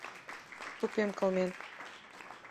— Тупем кылмен.